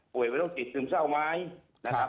ป่วยไว้ต้องจิดซึมเศร้าไม้นะครับ